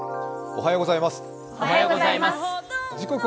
おはようございます。